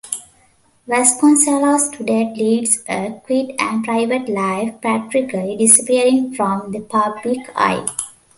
Vasconcellos today leads a quiet and private life, practically disappearing from the public eye.